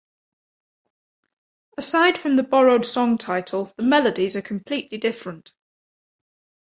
Aside from the borrowed song title, the melodies are completely different.